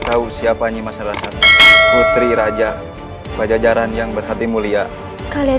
aku ingin membunuhnya tidak usah ragu cepat lakukan